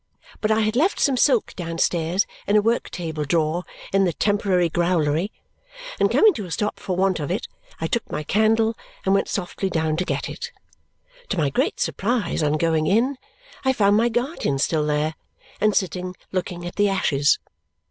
But I had left some silk downstairs in a work table drawer in the temporary growlery, and coming to a stop for want of it, I took my candle and went softly down to get it. To my great surprise, on going in I found my guardian still there, and sitting looking at the ashes.